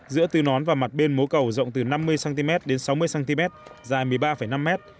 giữa tư nón và mặt bên mố cầu rộng từ năm mươi cm đến sáu mươi cm dài một mươi ba năm m